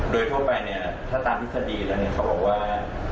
โดยทั่วไปถ้าตามพิสดีแล้วเขาบอกว่า